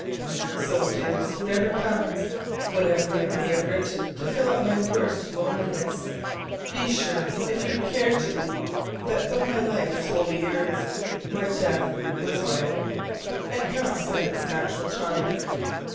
So, dearest, whatever comes, whatever I may have written to fill up my worst loneliness, be sure, if you care to be, that though my life was wholly yours, my death was my own, and comes at its right natural time.